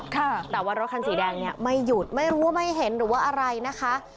แต่ว่ารถคันสีแดงเนี่ยไม่หยุดไม่รู้ว่าไม่เห็นหรือว่าอะไรนะคะ